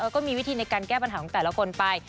ก็มีวิธีในการแก้ปัญหาของแต่ละคนไป